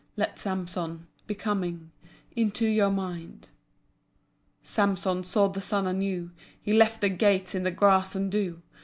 Let Samson Be coming Into your mind. Samson saw the sun anew. He left the gates in the grass and dew.